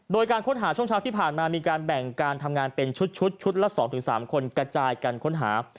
โดยการค้นหาช่วงเช้าที่ผ่านมามีการแบ่งการทำงานเป็นชุดชุดละ๒๓คนกระจายกันค้นหา